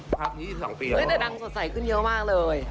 อ๋อพรับยืนยืนสองปีแล้วเหรอเฮ้ยแต่ดังสดใสขึ้นเยอะมากเลย